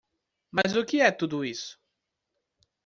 Mas o que é tudo isso?